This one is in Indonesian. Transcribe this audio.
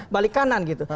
balik kanan gitu